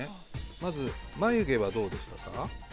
まず、眉毛はどうでしたか？